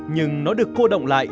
nhưng nó được cô động lại